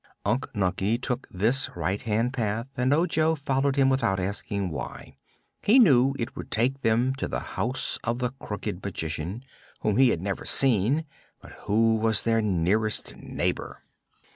Unc Nunkie took this right hand path and Ojo followed without asking why. He knew it would take them to the house of the Crooked Magician, whom he had never seen but who was their nearest neighbor.